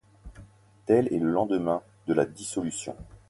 Tel est le lendemain de la dissolution.